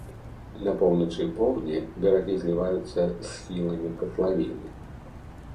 На поўначы і поўдні берагі зліваюцца з схіламі катлавіны.